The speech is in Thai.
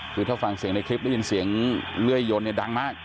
คือถ้าฟังเสียงในคลิปได้ยินเสียงเลื่อยยนเนี่ยดังมาก